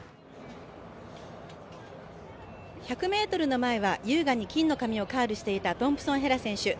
１００ｍの前は優雅に金の髪をカールしていたトンプソン・ヘラ選手。